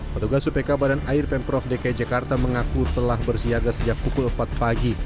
petugas upk badan air pemprov dki jakarta mengaku telah bersiaga sejak pukul empat pagi